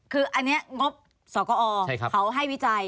คืออันนี้งบสกอเขาให้วิจัย